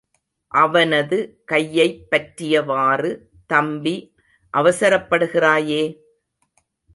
அவனது கையைப் பற்றியவாறு, தம்பி, அவசரப்படுகிறாயே?